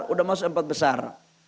sudah masuk empat besar